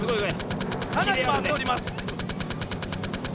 かなりまわっております。